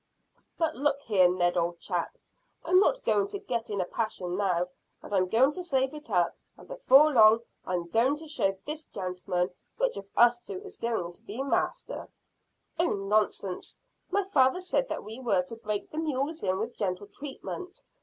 "But look here, Ned, old chap, I'm not going to get in a passion now; I'm going to save it up, and before long I'm going to show this gentleman which of us two is going to be master." "Oh, nonsense! My father said that we were to break the mules in with gentle treatment.